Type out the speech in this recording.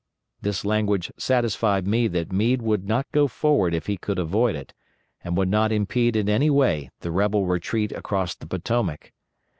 This language satisfied me that Meade would not go forward if he could avoid it, and would not impede in any way the rebel retreat across the Potomac.